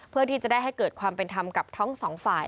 เพื่อที่จะได้ให้เกิดความเป็นธรรมกับทั้งสองฝ่าย